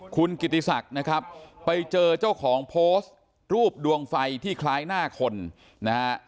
คุณกิติศักดิ์นะครับไปเจอเจ้าของโพสต์รูปดวงไฟที่คล้ายหน้าคนนะฮะ